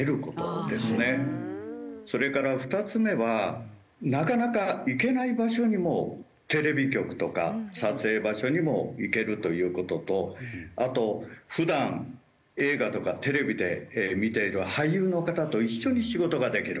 それから２つ目はなかなか行けない場所にもテレビ局とか撮影場所にも行けるという事とあと普段映画とかテレビで見ている俳優の方と一緒に仕事ができる。